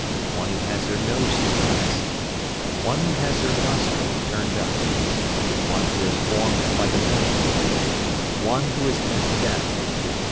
One who has her nose depressed. One who has her nostril turned up. One who is formed like a male. One who is bent down.